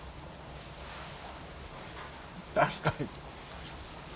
確かに。